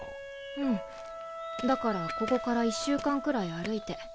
うんだからここから１週間くらい歩いて。